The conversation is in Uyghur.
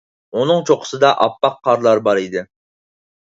ئۇنىڭ چوققىسىدا ئاپئاق قارلار بار ئىدى.